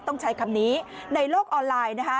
ต้องใช้คำนี้ในโลกออนไลน์นะคะ